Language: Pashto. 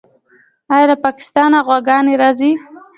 آیا له پاکستانه غواګانې راځي؟